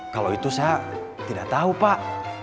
kalau itu saya tidak tahu pak